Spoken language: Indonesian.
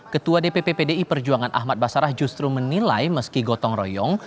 ketua dpp pdi perjuangan ahmad basarah justru menilai meski gotong royong